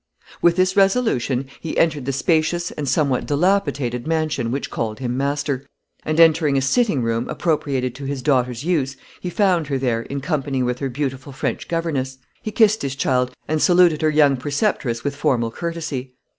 With this resolution, he entered the spacious and somewhat dilapidated mansion which called him master; and entering a sitting room, appropriated to his daughter's use, he found her there, in company with her beautiful French governess. He kissed his child, and saluted her young preceptress with formal courtesy.